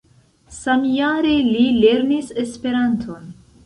Samjare li lernis Esperanton.